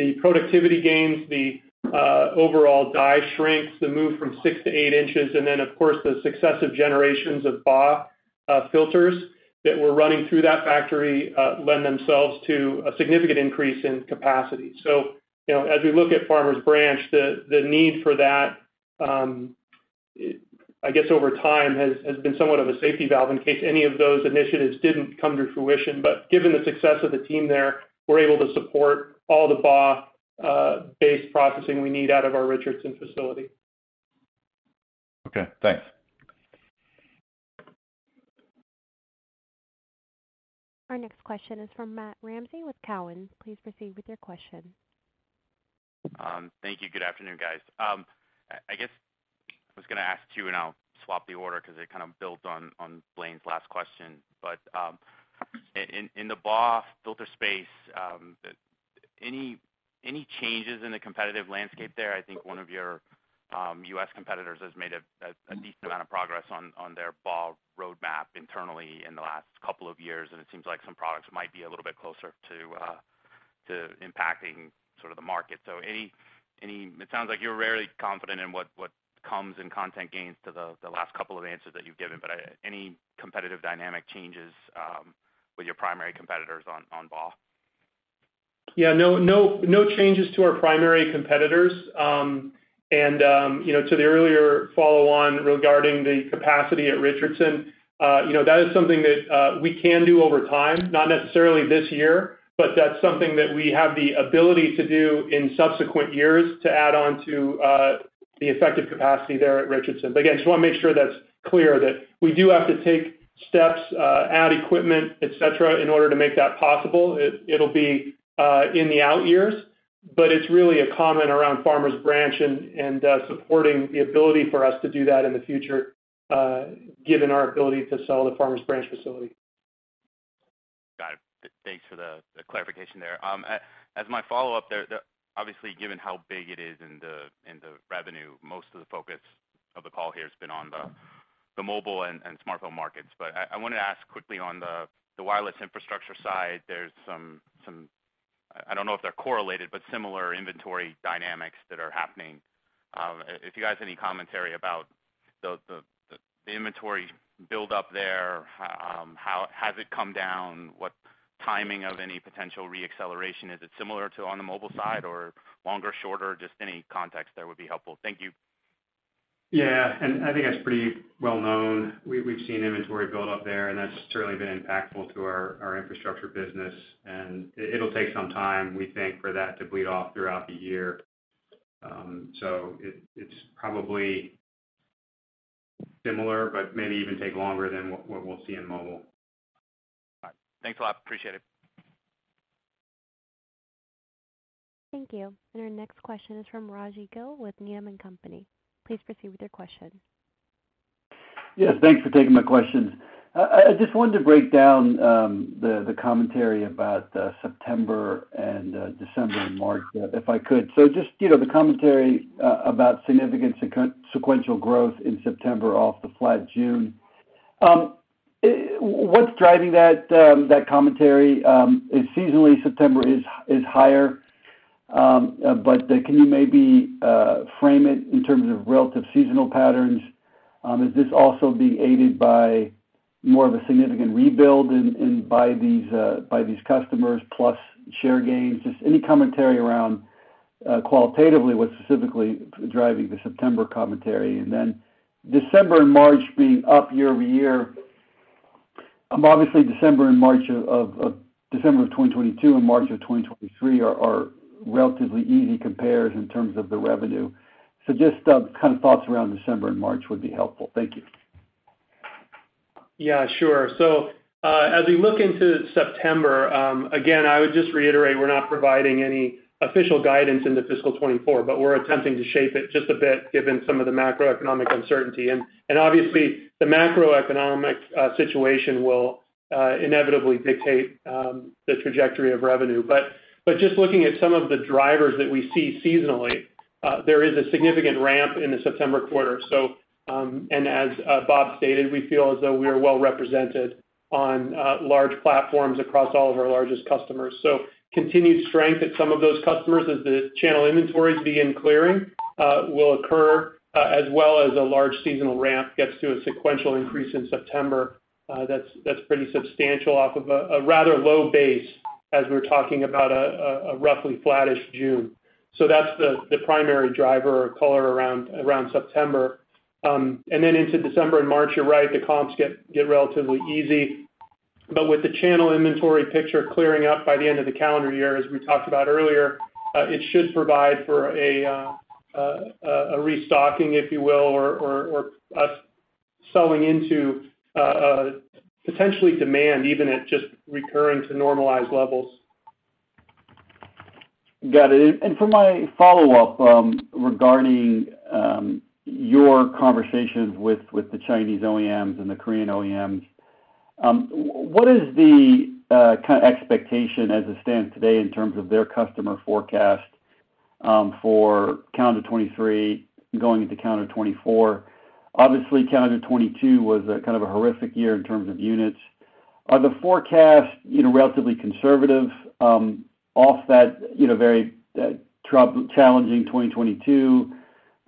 The productivity gains, the overall die shrinks, the move from 6 in to 8 in, and then of course, the successive generations of BAW filters that we're running through that factory lend themselves to a significant increase in capacity. You know, as we look at Farmers Branch, the need for that I guess over time has been somewhat of a safety valve in case any of those initiatives didn't come to fruition. Given the success of the team there, we're able to support all the BAW based processing we need out of our Richardson facility. Okay, thanks. Our next question is from Matt Ramsay with Cowen. Please proceed with your question. Thank you. Good afternoon, guys. I guess I was gonna ask two, and I'll swap the order because it kind of builds on Blayne's last question. In the BAW filter space, any changes in the competitive landscape there? I think one of your U.S. competitors has made a decent amount of progress on their BAW roadmap internally in the last couple of years, and it seems like some products might be a little bit closer To impacting sort of the market. It sounds like you're rarely confident in what comes in content gains to the last couple of answers that you've given. Any competitive dynamic changes with your primary competitors on BAW? Yeah, no, no changes to our primary competitors. You know, to the earlier follow on regarding the capacity at Richardson, you know, that is something that we can do over time, not necessarily this year, but that's something that we have the ability to do in subsequent years to add on to the effective capacity there at Richardson. Again, just wanna make sure that's clear that we do have to take steps, add equipment, et cetera, in order to make that possible. It'll be in the out years, but it's really a comment around Farmers Branch and supporting the ability for us to do that in the future, given our ability to sell the Farmers Branch facility. Got it. Thanks for the clarification there. As my follow-up there, obviously, given how big it is in the revenue, most of the focus of the call here has been on the mobile and smartphone markets. I wanna ask quickly on the wireless infrastructure side, there's some, I don't know if they're correlated, but similar inventory dynamics that are happening. If you guys have any commentary about the inventory build up there, how has it come down? What timing of any potential re-acceleration? Is it similar to on the mobile side or longer, shorter? Just any context there would be helpful. Thank you. Yeah. I think that's pretty well known. We've seen inventory build up there, that's certainly been impactful to our infrastructure business. It'll take some time, we think, for that to bleed off throughout the year. It's probably similar, but maybe even take longer than what we'll see in mobile. All right. Thanks a lot. Appreciate it. Thank you. Our next question is from Raji Gill with Needham & Company. Please proceed with your question. Yes, thanks for taking my questions. I just wanted to break down the commentary about September and December and March, if I could. Just, you know, the commentary about significant sequential growth in September off the flat June. What's driving that commentary is seasonally September is higher. Can you maybe frame it in terms of relative seasonal patterns? Is this also being aided by more of a significant rebuild and by these customers, plus share gains? Just any commentary around qualitatively what's specifically driving the September commentary. December and March being up year-over-year. Obviously December and March of December of 2022 and March of 2023 are relatively easy compares in terms of the revenue. Just, kind of thoughts around December and March would be helpful. Thank you. Yeah, sure. As we look into September, again, I would just reiterate, we're not providing any official guidance into fiscal 2024, but we're attempting to shape it just a bit given some of the macroeconomic uncertainty. Obviously, the macroeconomic situation will inevitably dictate the trajectory of revenue. Just looking at some of the drivers that we see seasonally, there is a significant ramp in the September quarter. As Bob stated, we feel as though we are well represented on large platforms across all of our largest customers. Continued strength at some of those customers as the channel inventories begin clearing will occur as well as a large seasonal ramp gets to a sequential increase in September. That's pretty substantial off of a rather low base as we're talking about a roughly flattish June. That's the primary driver or caller around September. Then into December and March, you're right, the comps get relatively easy. With the channel inventory picture clearing up by the end of the calendar year, as we talked about earlier, it should provide for a restocking, if you will, or us selling into potentially demand even at just recurring to normalized levels. Got it. For my follow-up, regarding your conversations with the Chinese OEMs and the Korean OEMs, what is the kind of expectation as it stands today in terms of their customer forecast for calendar 2023 going into calendar 2024? Obviously, calendar 2022 was a kind of a horrific year in terms of units. Are the forecasts, you know, relatively conservative off that, you know, very challenging 2022?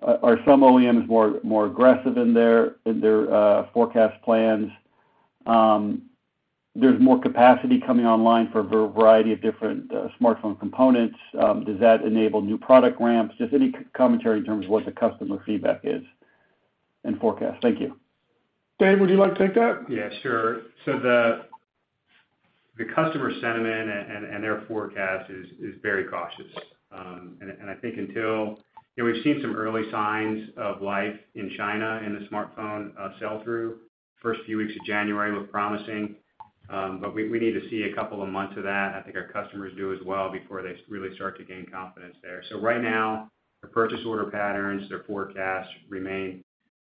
Are some OEMs more aggressive in their forecast plans? There's more capacity coming online for a variety of different smartphone components, does that enable new product ramps? Just any commentary in terms of what the customer feedback is and forecast. Thank you. Dave, would you like to take that? Yeah, sure. The customer sentiment and their forecast is very cautious. I think, you know, we've seen some early signs of life in China in the smartphone sell through. First few weeks of January look promising, but we need to see a couple of months of that, and I think our customers do as well, before they really start to gain confidence there. Right now, their purchase order patterns,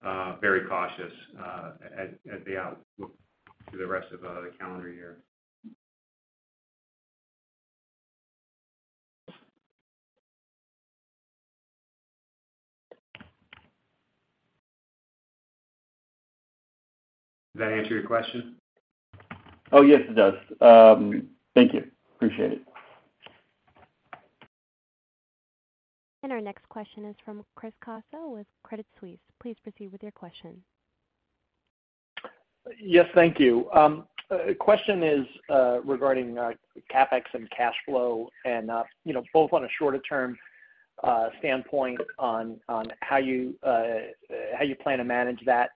their forecasts remain very cautious at the outlook to the rest of the calendar year. Does that answer your question? Oh, yes, it does. Thank you. Appreciate it. Our next question is from Chris Caso with Credit Suisse. Please proceed with your question. Yes, thank you. The question is regarding CapEx and cash flow and, you know, both on a shorter term standpoint on how you plan to manage that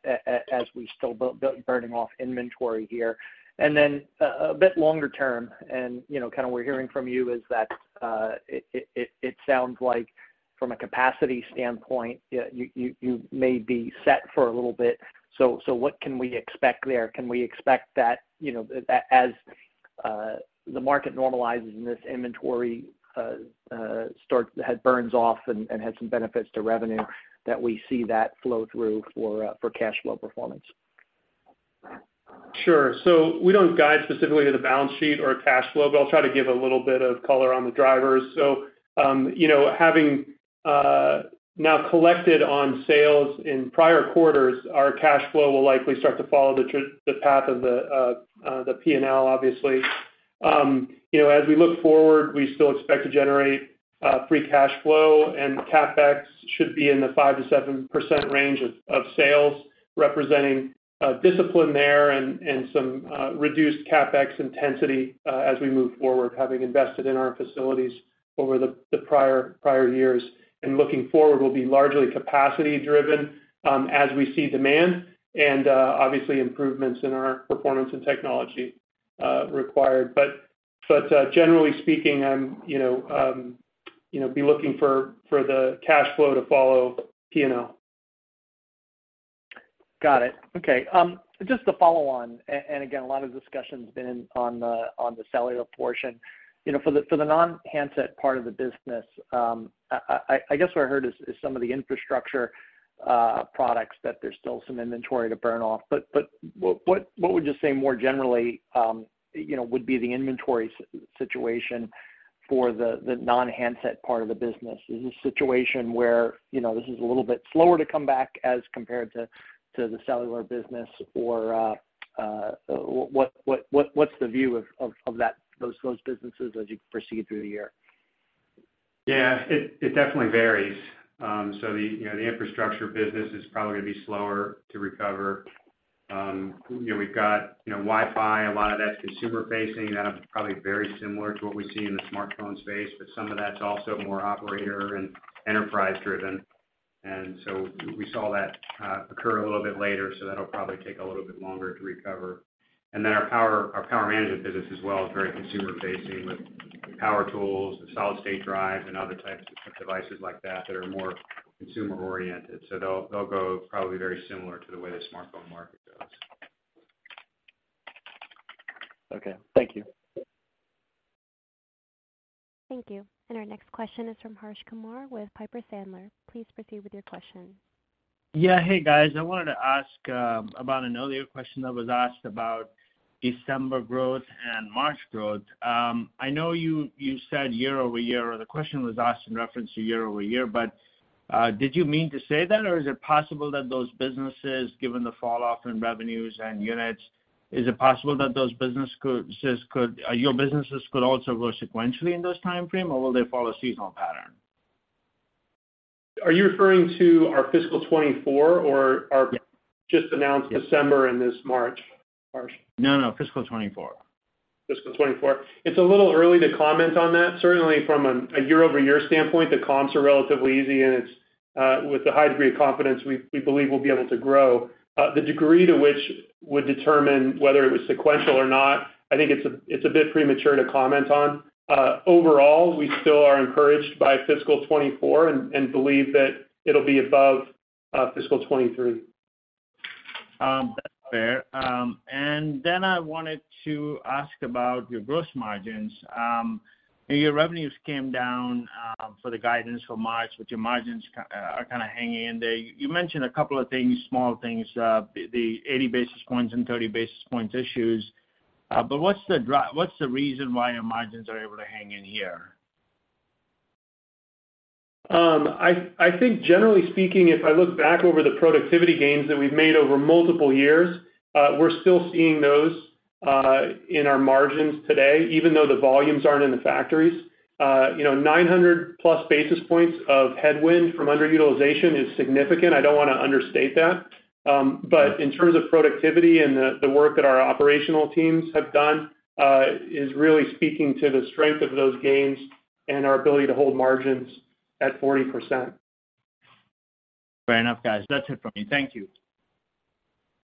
as we still burning off inventory here. Then a bit longer term and, you know, kind of we're hearing from you is that it sounds like from a capacity standpoint, yeah, you may be set for a little bit. What can we expect there? Can we expect that, you know, that as the market normalizes and this inventory burns off and has some benefits to revenue that we see that flow through for cash flow performance? Sure. We don't guide specifically to the balance sheet or cash flow, but I'll try to give a little bit of color on the drivers. You know, having now collected on sales in prior quarters, our cash flow will likely start to follow the path of the P&L, obviously. You know, as we look forward, we still expect to generate free cash flow, and CapEx should be in the 5%-7% range of sales, representing discipline there and some reduced CapEx intensity as we move forward, having invested in our facilities over the prior years. Looking forward will be largely capacity-driven, as we see demand and obviously improvements in our performance and technology required. Generally speaking, I'm, you know, you know, be looking for the cash flow to follow P&L. Got it. Okay, just to follow on, and again, a lot of discussion has been on the cellular portion. You know, for the non-handset part of the business, I guess what I heard is some of the infrastructure products that there's still some inventory to burn off. What would you say more generally, you know, would be the inventory situation for the non-handset part of the business? Is this a situation where, you know, this is a little bit slower to come back as compared to the cellular business? What's the view of those businesses as you proceed through the year? Yeah. It definitely varies. The, you know, the infrastructure business is probably gonna be slower to recover. You know, we've got, you know, Wi-Fi, a lot of that's consumer-facing, that'll be probably very similar to what we see in the smartphone space, but some of that's also more operator and enterprise-driven. We saw that occur a little bit later, that'll probably take a little bit longer to recover. Our power management business as well is very consumer-facing with power tools and solid-state drives and other types of devices like that that are more consumer-oriented. They'll, they'll go probably very similar to the way the smartphone market goes. Okay. Thank you. Thank you. Our next question is from Harsh Kumar with Piper Sandler. Please proceed with your question. Hey, guys. I wanted to ask about an earlier question that was asked about December growth and March growth. I know you said year-over-year, or the question was asked in reference to year-over-year, did you mean to say that, or is it possible that those businesses, given the falloff in revenues and units, is it possible that your businesses could also grow sequentially in this timeframe, or will they follow a seasonal pattern? Are you referring to our fiscal 2024 or our just announced December and this March, Harsh? No, no, fiscal 2024. Fiscal 2024. It's a little early to comment on that. Certainly from a year-over-year standpoint, the comps are relatively easy, and it's with a high degree of confidence we believe we'll be able to grow. The degree to which would determine whether it was sequential or not, I think it's a bit premature to comment on. Overall, we still are encouraged by fiscal 2024 and believe that it'll be above fiscal 2023. That's fair. I wanted to ask about your gross margins. Your revenues came down for the guidance for March, your margins are kinda hanging in there. You mentioned a couple of things, small things, the 80 basis points and 30 basis points issues. What's the reason why your margins are able to hang in here? I think generally speaking, if I look back over the productivity gains that we've made over multiple years, we're still seeing those in our margins today, even though the volumes aren't in the factories. You know, 900+ basis points of headwind from underutilization is significant. I don't wanna understate that. But in terms of productivity and the work that our operational teams have done, is really speaking to the strength of those gains and our ability to hold margins at 40%. Fair enough, guys. That's it for me. Thank you.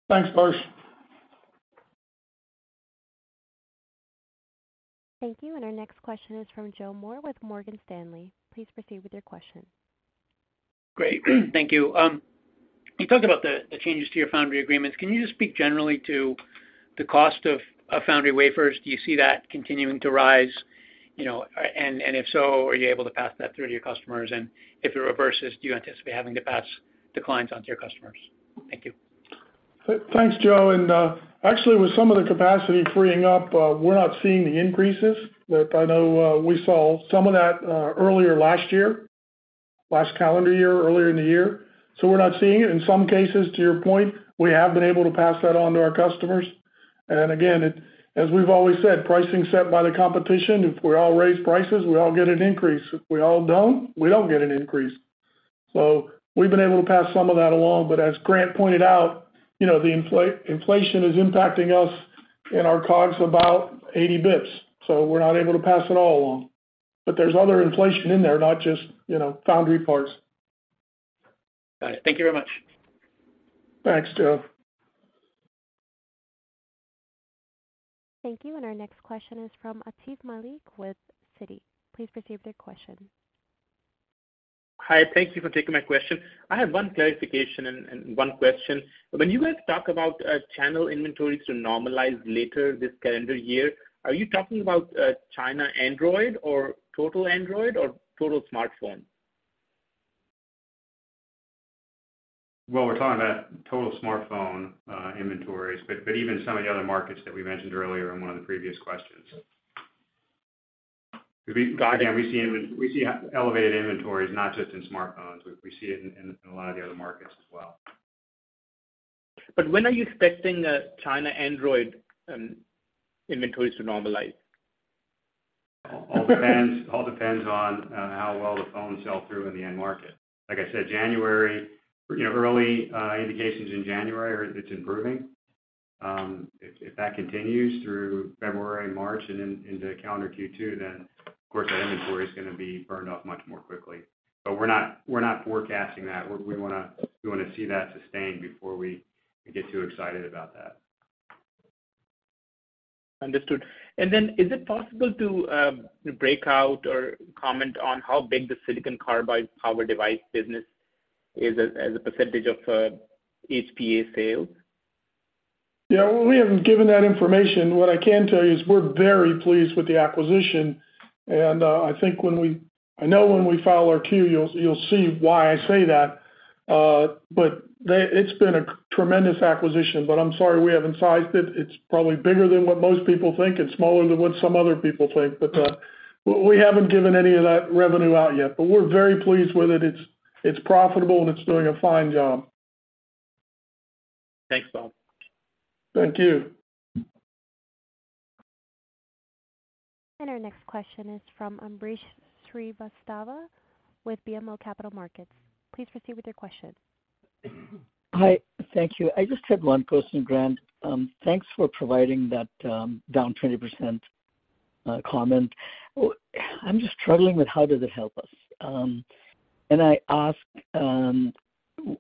Thanks, Harsh. Thank you. Our next question is from Joseph Moore with Morgan Stanley. Please proceed with your question. Great. Thank you. You talked about the changes to your foundry agreements. Can you just speak generally to the cost of foundry wafers? Do you see that continuing to rise? You know, and if so, are you able to pass that through to your customers? If it reverses, do you anticipate having to pass declines onto your customers? Thank you. Thanks, Joe. actually, with some of the capacity freeing up, we're not seeing the increases that I know, we saw some of that, earlier last year. Last calendar year, earlier in the year. We're not seeing it. In some cases, to your point, we have been able to pass that on to our customers. Again, as we've always said, pricing is set by the competition. If we all raise prices, we all get an increase. If we all don't, we don't get an increase. We've been able to pass some of that along. As Grant pointed out, you know, the inflation is impacting us in our COGS about 80 basis points, we're not able to pass it all along. There's other inflation in there, not just, you know, foundry parts. Got it. Thank you very much. Thanks, Joe. Thank you. Our next question is from Atif Malik with Citi. Please proceed with your question. Hi. Thank you for taking my question. I have one clarification and one question. When you guys talk about channel inventories to normalize later this calendar year, are you talking about China Android or total Android or total smartphone? We're talking about total smartphone inventories, even some of the other markets that we mentioned earlier in one of the previous questions. Again, we see elevated inventories, not just in smartphones. We see it in a lot of the other markets as well. When are you expecting, China Android, inventories to normalize? All depends on how well the phones sell through in the end market. Like I said, January, you know, early indications in January are it's improving. If that continues through February and March and into calendar Q2, then of course our inventory is gonna be burned off much more quickly. We're not forecasting that. We wanna see that sustained before we get too excited about that. Understood. Is it possible to break out or comment on how big the silicon carbide power device business is as a percentage of HPA sales? Yeah, we haven't given that information. What I can tell you is we're very pleased with the acquisition. I know when we file our Q, you'll see why I say that. It's been a tremendous acquisition, but I'm sorry we haven't sized it. It's probably bigger than what most people think and smaller than what some other people think. We haven't given any of that revenue out yet, but we're very pleased with it. It's profitable and it's doing a fine job. Thanks, Bob. Thank you. Our next question is from Ambrish Srivastava with BMO Capital Markets. Please proceed with your question. Hi. Thank you. I just had one question, Grant. thanks for providing that, down 20%, comment. I'm just struggling with how does it help us. I ask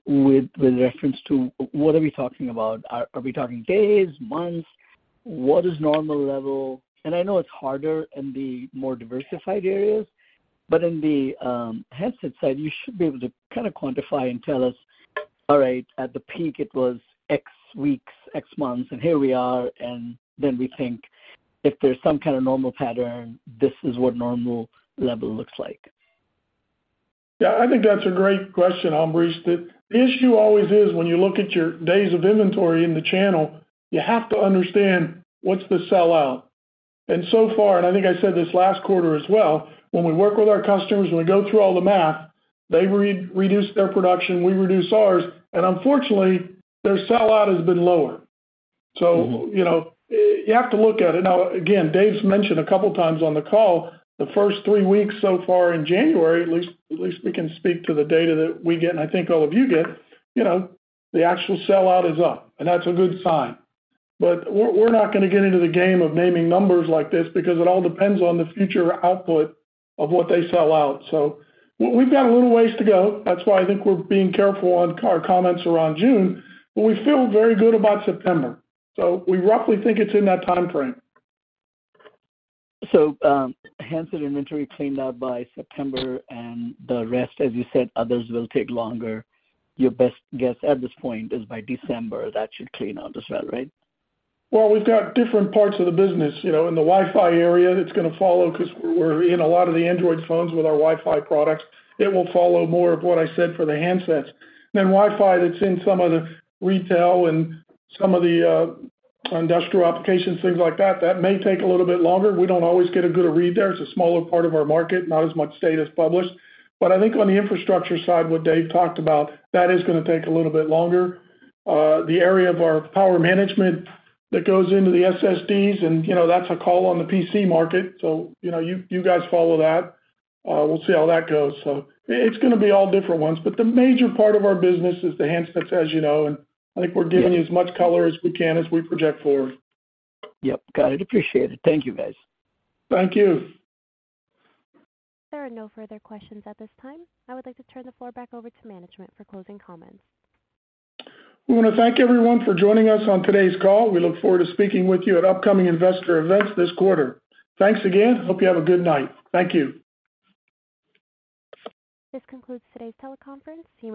with reference to what are we talking about? Are we talking days, months? What is normal level? I know it's harder in the more diversified areas, but in the handset side, you should be able to kind of quantify and tell us, all right, at the peak it was X weeks, X months, and here we are, and then we think if there's some kind of normal pattern, this is what normal level looks like. Yeah, I think that's a great question, Ambrish. The issue always is when you look at your days of inventory in the channel, you have to understand what's the sell out. So far, and I think I said this last quarter as well, when we work with our customers, when we go through all the math, they re-reduce their production, we reduce ours, and unfortunately their sell out has been lower. You know, you have to look at it. Now, again, Dave's mentioned a couple times on the call, the first three weeks so far in January, at least, at least we can speak to the data that we get and I think all of you get, you know, the actual sell out is up, and that's a good sign. We're not gonna get into the game of naming numbers like this because it all depends on the future output of what they sell out. We've got a little ways to go. That's why I think we're being careful on our comments around June, but we feel very good about September. We roughly think it's in that timeframe. Handset inventory cleaned out by September and the rest, as you said, others will take longer. Your best guess at this point is by December that should clean out as well, right? Well, we've got different parts of the business. You know, in the Wi-Fi area it's gonna follow 'cause we're in a lot of the Android phones with our Wi-Fi products. It will follow more of what I said for the handsets. Wi-Fi that's in some of the retail and some of the industrial applications, things like that may take a little bit longer. We don't always get a good read there. It's a smaller part of our market, not as much data is published. I think on the infrastructure side, what Dave talked about, that is gonna take a little bit longer. The area of our power management that goes into the SSDs and, you know, that's a call on the PC market. You know, you guys follow that. We'll see how that goes. It's gonna be all different ones. The major part of our business is the handsets, as you know, and I think we're giving you as much color as we can as we project forward. Yep. Got it. Appreciate it. Thank you, guys. Thank you. There are no further questions at this time. I would like to turn the floor back over to management for closing comments. We wanna thank everyone for joining us on today's call. We look forward to speaking with you at upcoming investor events this quarter. Thanks again. Hope you have a good night. Thank you. This concludes today's teleconference.